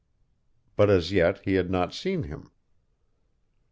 But as yet he had not seen him.